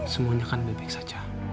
semuanya akan baik baik saja